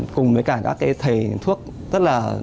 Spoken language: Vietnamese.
mặc dù đã cùng với cả các cái thầy thuốc rất là khó khăn rất là khó khăn